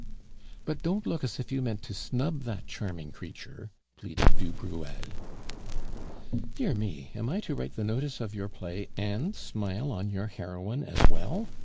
"But don't look as if you meant to snub that charming creature," pleaded du Bruel. "Dear me! am I to write the notice of your play and smile on your heroine as well?"